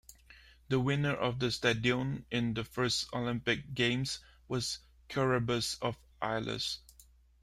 The winner of the "stadion" in the first Olympic Games was Coroebus of Elis.